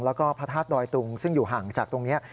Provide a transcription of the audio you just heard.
แล้วก็พระธาตุดอยตุงซึ่งอยู่ห่างจากตรงนี้